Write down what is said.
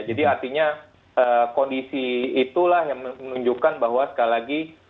artinya kondisi itulah yang menunjukkan bahwa sekali lagi